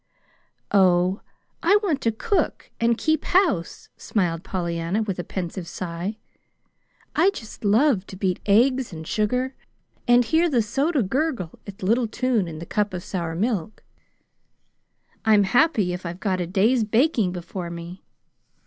"Oh, I want to cook and keep house," smiled Pollyanna, with a pensive sigh. "I just love to beat eggs and sugar, and hear the soda gurgle its little tune in the cup of sour milk. I'm happy if I've got a day's baking before me.